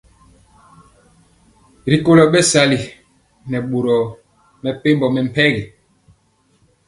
Rikolo bɛsali nɛ boro mepempɔ mɛmpegi.